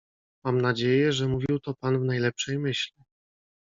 "Mam nadzieję, że mówił to pan w najlepszej myśli."